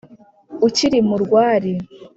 ukiri mu rwari,